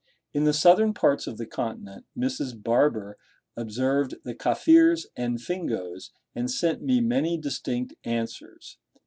In the southern parts of the continent Mrs. Barber observed the Kafirs and Fingoes, and sent me many distinct answers.